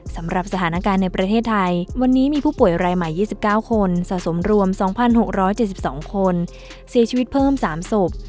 สำหรับสถานการณ์ในประเทศไทยวันนี้มีผู้ป่วยรายใหม่๒๙คนสะสมรวม๒๖๗๒คนเสียชีวิตเพิ่ม๓ศพ